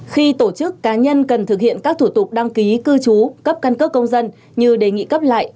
khi tổ chức cá nhân cần thực hiện các thủ tục đăng ký cư trú cấp căn cước công dân như đề nghị cấp lại